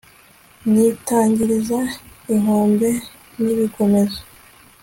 nyitangiriza inkombe n'ibigomezo